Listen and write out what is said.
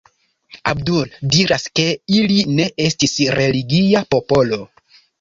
Abdul diras ke ili ne estis religia popolo.